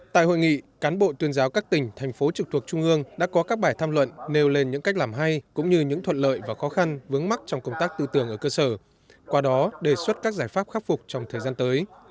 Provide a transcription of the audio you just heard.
tại hội nghị cán bộ tuyên giáo các tỉnh thành phố trực thuộc trung ương đã có các bài tham luận nêu lên những cách làm hay cũng như những thuận lợi và khó khăn vướng mắt trong công tác tư tưởng ở cơ sở qua đó đề xuất các giải pháp khắc phục trong thời gian tới